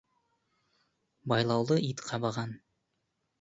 Байлаулы ит қабаған.